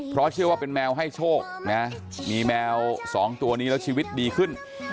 เพราะเชื่อว่าเป็นแมวให้โชคนะมีแมว๒ตัวนี้แล้วชีวิตดีขึ้น